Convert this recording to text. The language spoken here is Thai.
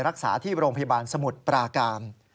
รักษาที่โรงพยาบาลสมุทรปราการ